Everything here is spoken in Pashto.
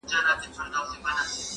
را ته ووایه عرضونه وکړم چا ته٫